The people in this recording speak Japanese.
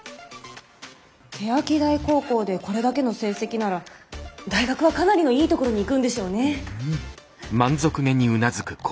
欅台高校でこれだけの成績なら大学はかなりのいいところに行くんでしょうねえ。